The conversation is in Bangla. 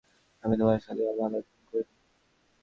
আমি তোমার সাথে ভালো আচরণ করি নি?